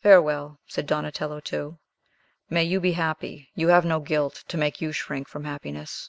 "Farewell!" said Donatello too. "May you be happy. You have no guilt to make you shrink from happiness."